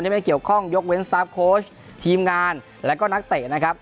ไม่เกี่ยวข้องยกเว้นสตาร์ฟโค้ชทีมงานแล้วก็นักเตะนะครับ